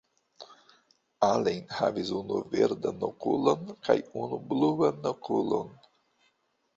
Allen havis unu verdan okulon kaj unu bluan okulon.